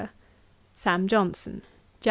'SAM. JOHNSON.' 'Jan.